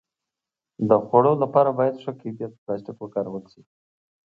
د خوړو لپاره باید ښه کیفیت پلاستيک وکارول شي.